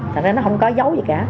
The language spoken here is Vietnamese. thật ra nó không có dấu gì cả